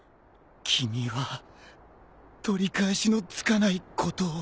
君は取り返しのつかないことを。